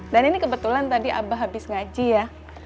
dan ini kebetulan tadi abah habis ngaji ya